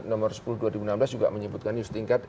di nomor sepuluh dua ribu enam belas juga menyebutkan ini setingkat